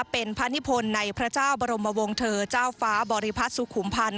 เป็นพระนิพลในพระเจ้าบรมวงเธอเจ้าฟ้าบริพัฒน์สุขุมพันธ์